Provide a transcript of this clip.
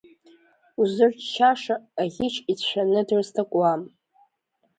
Узырччаша, аӷьыч ицәшәаны дрызҭакуам.